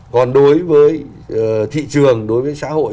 còn đối với thị trường đối với xã hội